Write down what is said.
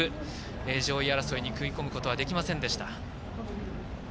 上位争いに食い込むことはできませんでした。